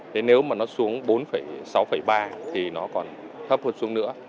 thế nếu mà nó xuống bốn sáu ba thì nó còn thấp hơn xuống nữa